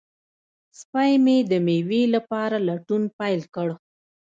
سپی مې د مېوې لپاره لټون پیل کړ.